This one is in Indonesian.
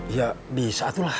ya bisa tuh lah